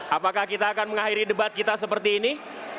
apakah kita akan mengakhiri debat kita seperti ini